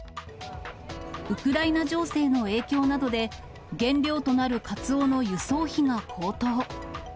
ウクライナ情勢の影響などで、原料となるカツオの輸送費が高騰。